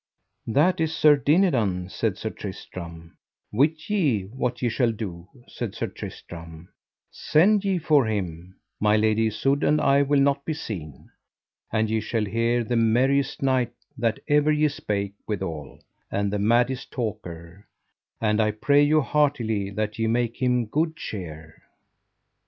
That is Sir Dinadan, said Sir Tristram; wit ye what ye shall do, said Sir Tristram: send ye for him, my Lady Isoud, and I will not be seen, and ye shall hear the merriest knight that ever ye spake withal, and the maddest talker; and I pray you heartily that ye make him good cheer.